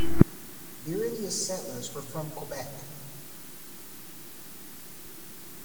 The earliest settlers were from Quebec.